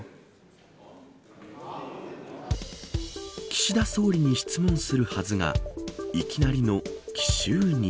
岸田総理に質問するはずがいきなりの奇襲に。